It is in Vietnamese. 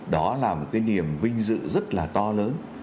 đó là một cái niềm vinh dự rất là to lớn